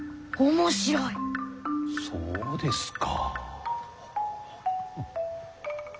そうですか。